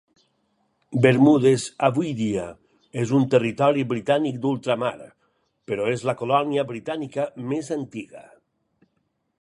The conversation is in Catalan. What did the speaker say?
Bermudes avui dia és un Territori Britànic d'Ultramar, però és la colònia britànica més antiga.